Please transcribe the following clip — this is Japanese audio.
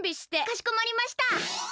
かしこまりました。